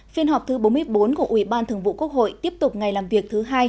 phiên họp thứ bốn mươi bốn của ủy ban thường vụ quốc hội tiếp tục ngày làm việc thứ hai